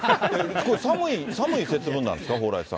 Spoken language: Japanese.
これ、寒い節分なんですか、蓬莱さん。